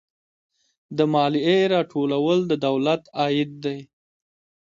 د مالیې راټولول د دولت عاید دی